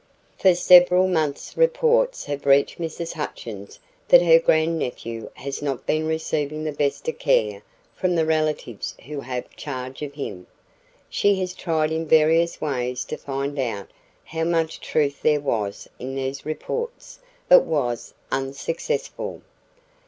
"For several months reports have reached Mrs. Hutchins that her grandnephew has not been receiving the best of care from the relatives who have charge of him. She has tried in various ways to find out how much truth there was in these reports, but was unsuccessful.